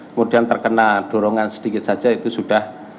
kemudian terkena dorongan sedikit saja itu sudah akan jatuh